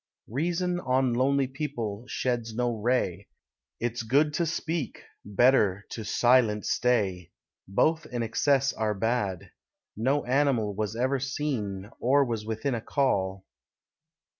Reason on lonely people sheds no ray; It's good to speak better to silent stay: Both in excess are bad. No animal Was ever seen, or was within a call.